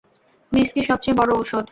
Whisky সবচেয়ে বড় ঔষধ।